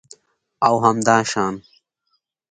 او همداشان